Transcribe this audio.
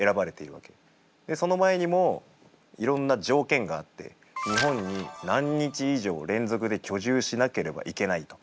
その前にもいろんな条件があって日本に何日以上連続で居住しなければいけないとか。